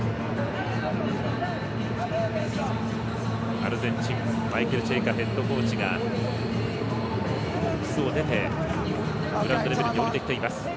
アルゼンチンマイケル・チェイカヘッドコーチがボックスを出てグラウンドレベルに降りてきています。